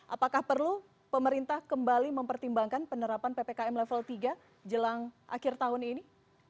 apakah perlu pemerintah kembali mempertimbangkan penerapan ppkm level tiga jelang akhir tahun ini